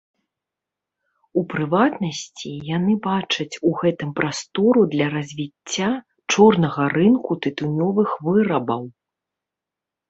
У прыватнасці, яны бачаць у гэтым прастору для развіцця чорнага рынку тытунёвых вырабаў.